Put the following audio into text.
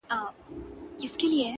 زه د ساقي تر احترامه پوري پاته نه سوم ـ